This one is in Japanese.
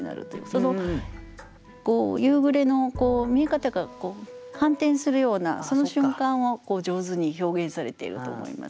その夕暮れの見え方が反転するようなその瞬間を上手に表現されていると思います。